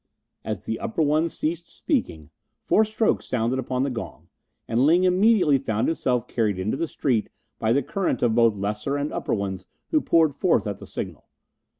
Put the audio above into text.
As the upper one ceased speaking, four strokes sounded upon the gong, and Ling immediately found himself carried into the street by the current of both lesser and upper ones who poured forth at the signal.